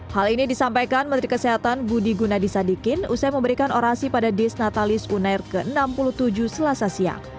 hal ini disampaikan menteri kesehatan budi gunadisadikin usai memberikan orasi pada disnatalis unair ke enam puluh tujuh selasa siang